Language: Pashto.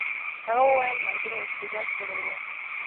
هغه وویل ملګرو احتجاج کړی وو.